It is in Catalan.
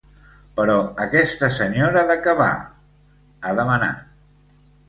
Però aquesta senyora de què va?, ha demanat.